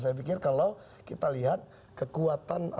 saya pikir kalau kita lihat kekuatan